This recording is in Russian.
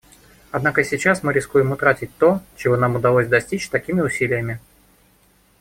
Однако сейчас мы рискуем утратить то, чего нам удалось достичь такими усилиями.